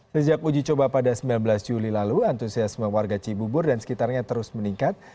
sejak uji coba pada sembilan belas juli lalu antusiasme warga cibubur dan sekitarnya terus meningkat